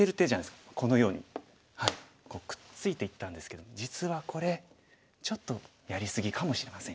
このようにこうくっついていったんですけども実はこれちょっとやり過ぎかもしれません。